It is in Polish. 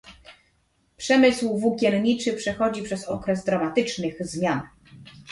Przemysł włókienniczy przechodzi przez okres dramatycznych zmian